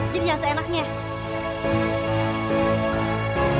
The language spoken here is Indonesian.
jadi jangan seenaknya